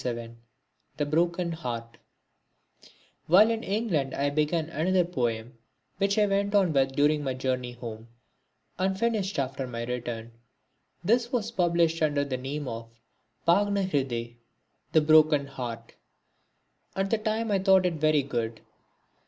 (27) The Broken Heart While in England I began another poem, which I went on with during my journey home, and finished after my return. This was published under the name of Bhagna Hriday, The Broken Heart. At the time I thought it very good.